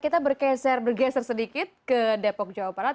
kita bergeser sedikit ke depok jawa barat